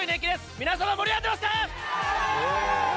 皆様、盛り上がってますか。